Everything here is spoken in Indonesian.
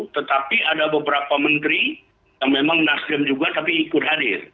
tetapi ada beberapa menteri yang memang nasdem juga tapi ikut hadir